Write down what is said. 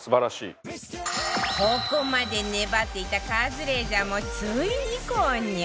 ここまで粘っていたカズレーザーもついに購入